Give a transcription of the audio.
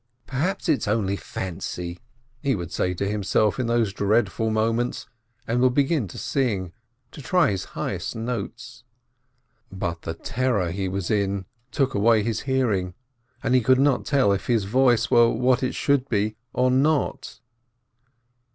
"Perhaps it's only fancy!" he would say to himself in those dreadful moments, and would begin to sing, to try his highest notes. But the terror he was in took away his hearing, and he could not tell if his voice were what it should be or not.